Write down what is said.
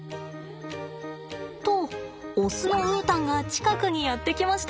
とオスのウータンが近くにやって来ました。